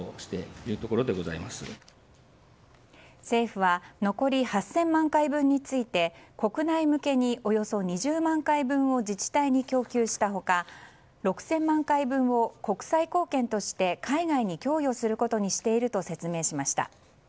政府は残り８０００万回分について国内向けにおよそ２０万回分を自治体に供給した他６０００万回分を国際貢献として海外に供与することにしていると説明しました。